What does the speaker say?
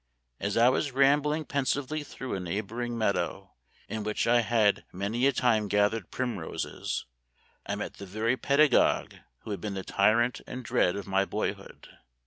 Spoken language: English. "As I was rambling pensively through a neighboring meadow, in which I had many a time gathered primroses, I met the very peda gogue who had been the tyrant and dread of my boyhood.